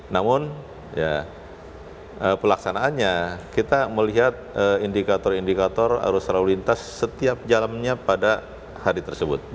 namun pelaksanaannya kita melihat indikator indikator arus lalu lintas setiap jalannya pada hari tersebut